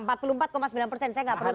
saya gak pernah tanya